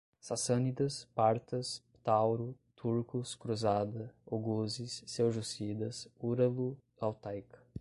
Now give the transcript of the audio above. Sassânidas, Partas, Tauro, turcos, cruzada, oguzes, seljúcidas, uralo-altaica